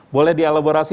boleh di elaborasi